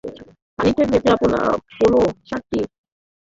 পানিতে ভেজা পোলো শার্টটি দড়িতে ঝুলিয়ে দিলে, দৈর্ঘ্যের তারতম্য দেখা দিতে পারে।